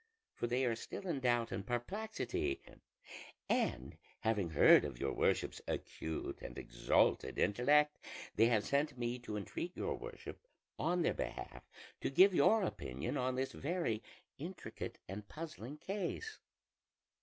For they are still in doubt and perplexity; and having heard of your worship's acute and exalted intellect, they have sent me to entreat your worship on their behalf to give your opinion on this very intricate and puzzling case."